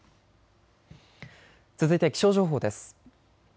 続いて気象情報です。